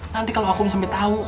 nanti kalau aku sampai tahu